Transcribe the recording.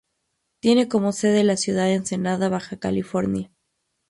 Tiene como sede la ciudad de Ensenada Baja California.